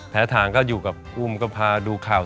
ทางก็อยู่กับอุ้มก็พาดูข่าว